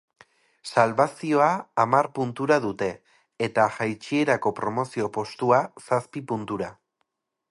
Salbazioa hamar puntura dute, eta jaitsierako promozio postua, zazpi puntura.